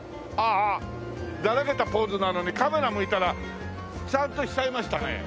ああだらけたポーズなのにカメラ向いたらしゃんとしちゃいましたね。